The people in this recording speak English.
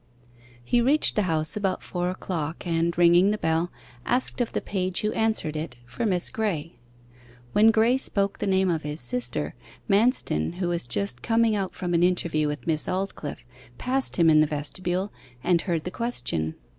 He reached the house about four o'clock, and ringing the bell, asked of the page who answered it for Miss Graye. When Graye spoke the name of his sister, Manston, who was just coming out from an interview with Miss Aldclyffe, passed him in the vestibule and heard the question.